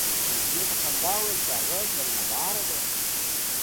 ناجیې په خندا وویل چې هغه مېلمه داره ده